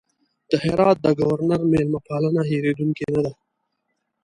د هرات د ګورنر مېلمه پالنه هېرېدونکې نه ده.